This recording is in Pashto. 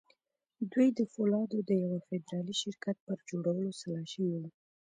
دوی د پولادو د يوه فدرالي شرکت پر جوړولو سلا شوي وو.